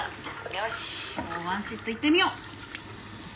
よしもうワンセットいってみよう！